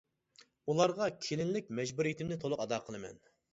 ئۇلارغا كېلىنلىك مەجبۇرىيىتىمنى تولۇق ئادا قىلىمەن.